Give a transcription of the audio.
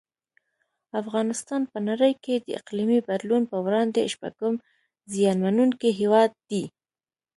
افغانستان په نړۍ کې د اقلیمي بدلون په وړاندې شپږم زیانمنونکی هیواد دی.